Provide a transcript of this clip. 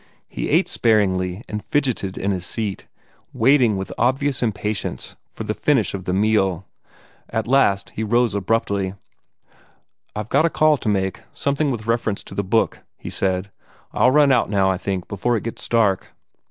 He ate sparingly, and fidgeted in his seat, waiting with obvious impatience for the finish of the meal. At last he rose abruptly. "I've got a call to make something with reference to the book," he said. "I'll run out now, I think, before it gets dark."